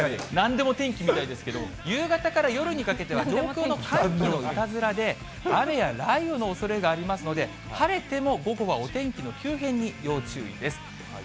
なんでも天気みたいですけど、夕方から夜にかけては、上空の寒気のいたずらで雨や雷雨のおそれがありますので、晴れても午後はお天気の急変に要注意です。